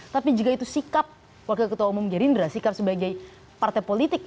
tapi jika itu sikap wakil ketua umum gerindra sikap sebagai partai politik